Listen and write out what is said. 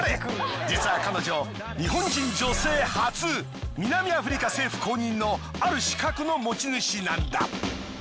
実は彼女日本人女性初南アフリカ政府公認のある資格の持ち主なんだ。